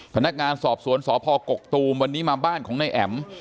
พนักงานสอบสวนสพกกตูมวันนี้มาบ้านของนายแอ๋ม